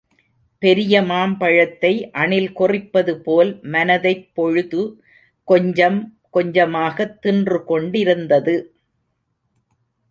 பெரிய மாம்பழத்தை அணில் கொறிப்பதுபோல் மனத்தைப் பொழுது கொஞ்சம் கொஞ்சமாகத் தின்று கொண்டிருந்தது.